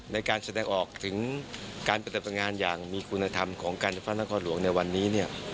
ในการแสดงออกถึงการประจำงานอย่างมีคุณธรรมของการฝ่านพระข้อหลวงในวันนี้